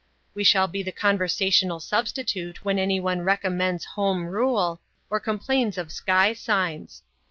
We shall be the conversational substitute when anyone recommends Home Rule, or complains of sky signs.